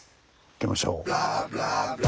行きましょう。